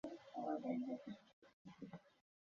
জরথুষ্ট্র বা কংফুছের মুখ হইতেও কখনও অভিশাপ-বাণী নির্গত হয় নাই।